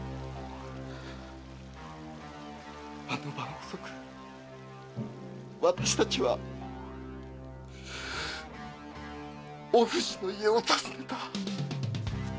あの晩遅く私達はお藤の家を訪ねた！